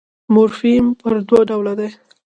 مورفیم پر دوه ډوله دئ.